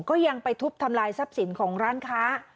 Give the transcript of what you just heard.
ก็ยังไปทุบทำลายทรัพย์สินของร้านค้า